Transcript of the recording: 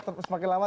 terus semakin lama